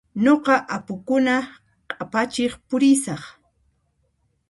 Nuqa apukuna q'apachiq pusiraq.